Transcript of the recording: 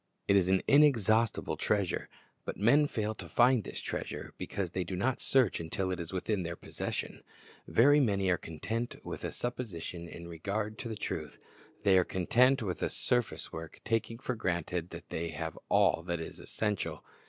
It is an inexhaustible treasure; but men fail to find this treasure, because they do not search until it is within their possession. Very many are content with a supposition in regard to the truth. They are content with a surface work, taking for granted that they have all that is essential.